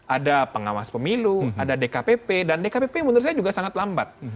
ada pengawas pemilu ada dkpp dan dkpp menurut saya juga sangat lambat